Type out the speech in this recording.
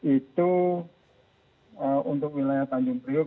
itu untuk wilayah tanjung priuk